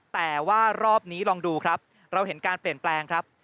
แต่ว่ารอบนี้ลองดูครับเราเห็นการเปลี่ยนแปลงครับ